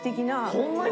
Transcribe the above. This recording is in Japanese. ホンマに？